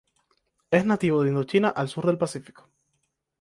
Es nativo de Indochina al sur del Pacífico.